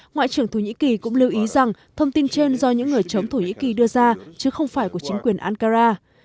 ngoại trưởng thổ nhĩ kỳ cũng lưu ý rằng thông tin trên do những người chống thổ nhĩ kỳ đưa ra chứ không phải của chính quyền ankara